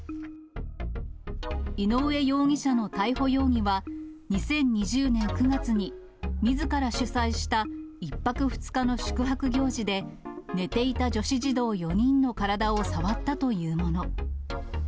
井上容疑者の逮捕容疑は、２０２０年９月にみずから主催した１泊２日の宿泊行事で、寝ていた女子児童４人の体を触ったというもの。